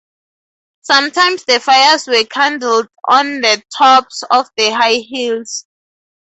Sometimes the fires were kindled on the tops of high hills.